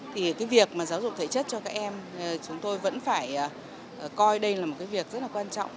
thì cái việc mà giáo dục thể chất cho các em chúng tôi vẫn phải coi đây là một cái việc rất là quan trọng